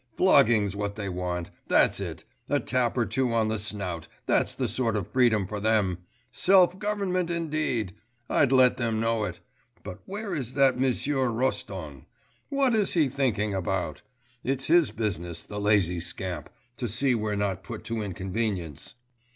'Flogging's what they want, that's it; a tap or two on the snout, that's the sort of freedom for them.... Self government indeed.... I'd let them know it.... But where is that M'sieu Roston?... What is he thinking about?... It's his business, the lazy scamp ... to see we're not put to inconvenience.